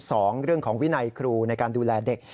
สองเรื่องของวินัยครูในการดูแลเด็ก